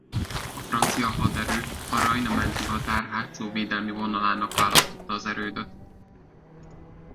A francia haderő a Rajna menti határ hátsó védelmi vonalának választotta az erődöt.